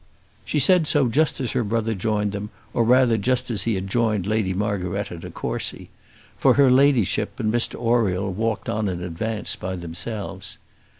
She said so just as her brother joined them, or rather just as he had joined Lady Margaretta de Courcy; for her ladyship and Mr Oriel walked on in advance by themselves.